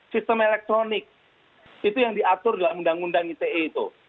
sistem elektronik itu yang diatur dalam undang undang ite itu